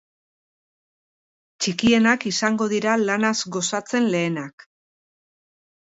Txikienak izango dira lanaz gozatzen lehenak.